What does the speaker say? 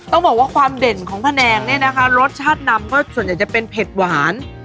ต้องบอกว่าความเด่นของแผนงเนี่ยนะคะรสชาตินำก็ส่วนใหญ่จะเป็นเผ็ดหวาน